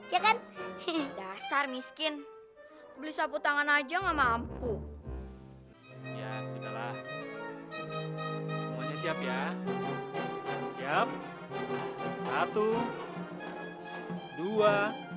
ya kan dasar miskin beli sapu tangan aja nggak mampu ya sudah lah semuanya siap ya siap satu dua